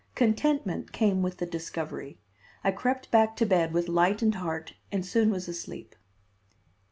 Contentment came with the discovery. I crept back to bed with lightened heart and soon was asleep.